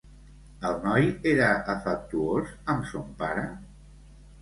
El noi era afectuós amb son pare?